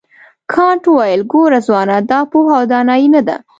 کانت وویل ګوره ځوانه دا پوهه او دانایي نه ده.